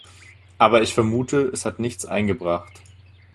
Aber ich vermute, es hat nichts eingebracht?